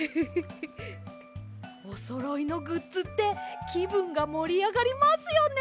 おそろいのグッズってきぶんがもりあがりますよね！